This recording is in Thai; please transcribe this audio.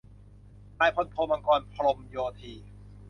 นายพลโท มังกร พรหมโยธี